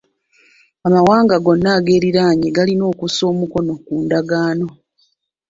Amawanga gonna ageeriraanye galina okusa omukono ku ndagaano.